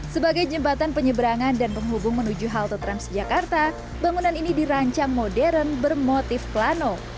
sebagai jembatan penyeberangan dan penghubung menuju halte transjakarta bangunan ini dirancang modern bermotif plano